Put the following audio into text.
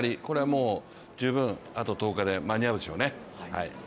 もう十分あと１０日で間に合うでしょうね。